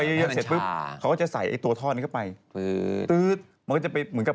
เราก็ดูดออกมาอย่างเนี้ยมันรายเดี๋ยวก็สักชั่นออกมา